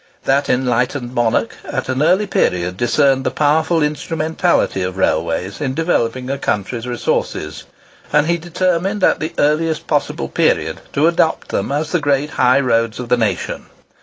That enlightened monarch at an early period discerned the powerful instrumentality of railways in developing a country's resources, and he determined at the earliest possible period to adopt them as the great high roads of the nation.